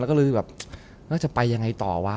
แล้วก็เลยแบบแล้วจะไปยังไงต่อวะ